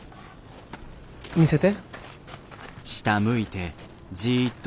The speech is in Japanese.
見せて。